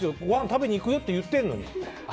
ごはん食べに行くよって言っているのに。